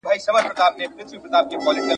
پاکې اوبه د روغتیا لپاره اړینې دي.